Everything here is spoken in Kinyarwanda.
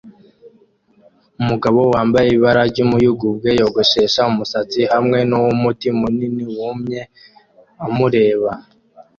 Umugabo wambaye ibara ry'umuyugubwe yogoshesha umusatsi hamwe nuwumuti munini wumye amureba